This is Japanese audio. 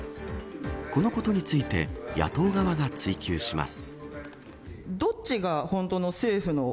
このことについて野党側が追及します。